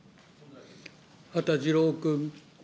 羽田次郎君。